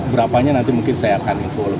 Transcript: berapanya nanti mungkin saya akan info lebih detil ya